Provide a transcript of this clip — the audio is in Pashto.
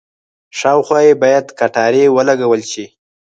شاوخوا یې باید کټارې ولګول شي.